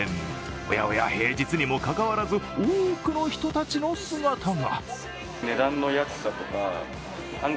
おやおや、平日にもかかわらず多くの人たちの姿が。